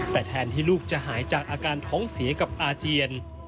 แต่แทนที่ลูกจะหายจากอาการท้องเสียกับอาเจียน